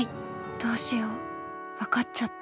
どうしよう分かっちゃった。